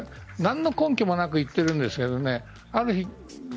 何の根拠もなく言っているんですけどね。